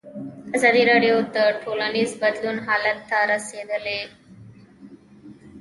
ازادي راډیو د ټولنیز بدلون حالت ته رسېدلي پام کړی.